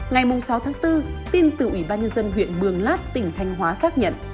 ngày sáu tháng bốn tin từ ủy ban nhân dân huyện mường lát tỉnh thanh hóa xác nhận